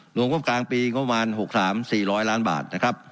หลวงรวมกลางปีปี๖๓จุฬาได้๔๐๐ล้านบาท